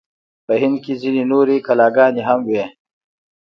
په هند کې ځینې نورې کلاګانې هم وې.